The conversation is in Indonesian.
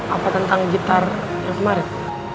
apa tentang gitar yang kemarin